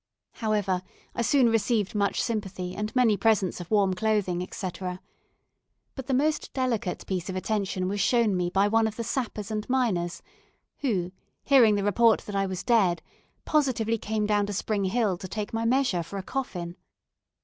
However, I soon received much sympathy and many presents of warm clothing, etc.; but the most delicate piece of attention was shown me by one of the Sappers and Miners, who, hearing the report that I was dead, positively came down to Spring Hill to take my measure for a coffin.